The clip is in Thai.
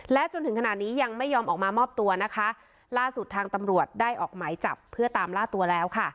และจนถึงขณะนี้ยังไม่ยอมออกมามอบตัวนะคะล่าสุดทางตำรวจได้ออกหมายจับเพื่อตามล่าตัวแล้วค่ะ